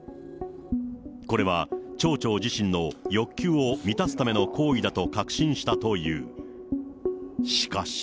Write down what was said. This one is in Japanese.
これは、町長自身の欲求を満たすための行為だと確信したという。